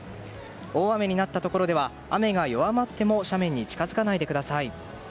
大雨になったところでは雨が弱まっても斜面に近づかないでください。